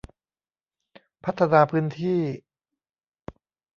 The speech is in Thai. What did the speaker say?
พัฒนาพื้นที่